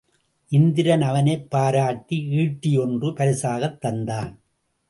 இந்திரன் அவனைப் பாராட்டி ஈட்டி ஒன்று பரிசாகத் தந்தான்.